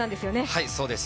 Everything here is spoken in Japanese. はいそうです。